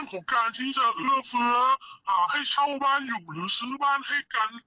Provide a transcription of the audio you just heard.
ให้เช่าบ้านอยู่หรือซื้อบ้านให้กัน